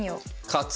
勝つ！